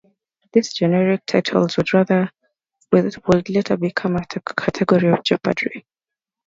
These generic titles would later become a category on "Jeopardy!".